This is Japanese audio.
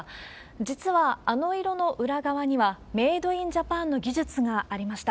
実は、あの色の裏側には、メイドインジャパンの技術がありました。